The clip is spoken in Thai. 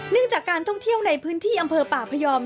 จากการท่องเที่ยวในพื้นที่อำเภอป่าพยอม